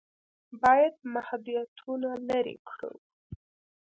باید محدودیتونه لرې کړو.